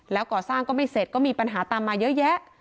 แล้วก่อสร้างก็ไม่เสร็จก็มีปัญหาตามมาเยอะแยะ